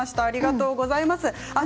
ありがとうございます。